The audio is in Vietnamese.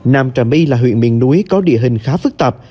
nam trà my là huyện miền núi có địa hình khá phức tạp